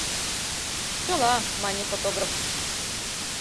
— Чыла, — мане фотограф.